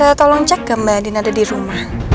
anda bisa tolong cek mbak andin ada di rumah